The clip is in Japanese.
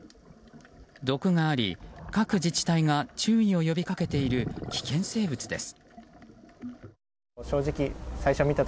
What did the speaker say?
毒があり各自治体が注意を呼び掛けている危険生物です。